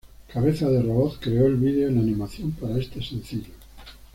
Cabeza de Robot, creo el video en animación para este sencillo.